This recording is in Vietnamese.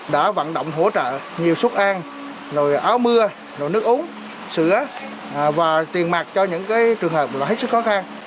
đã vận động hỗ trợ nhiều súc an rồi áo mưa rồi nước uống sữa và tiền mạc cho những cái trường hợp là hết sức khó khăn